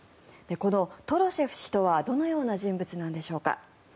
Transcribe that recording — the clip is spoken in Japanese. このトロシェフ氏とはどのような人物なんでしょうか。